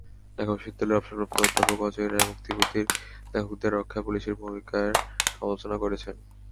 ঢাকা বিশ্ববিদ্যালয়ের অবসরপ্রাপ্ত অধ্যাপক অজয় রায় মুক্তবুদ্ধির লেখকদের রক্ষায় পুলিশের ভূমিকার সমালোচনা করেছেন।